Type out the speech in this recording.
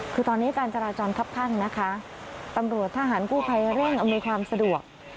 คือตอนนี้การจราจรคับข้างนะคะตำรวจทหารกู้ภัยเร่งอำนวยความสะดวก